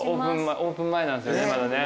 オープン前なんですよねまだね。